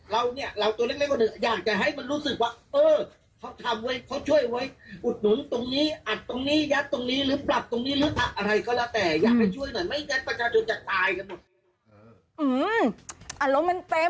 เราเนี่ยเราตัวเล็กกว่าเถอะอยากจะให้มันรู้สึกว่าเออเขาทำไว้เขาช่วยไว้อุดหนุนตรงนี้อัดตรงนี้ยัดตรงนี้หรือปรับตรงนี้หรืออะไรก็แล้วแต่อยากให้ช่วยหน่อยไม่ยัดประชาชนจะตายกันหมด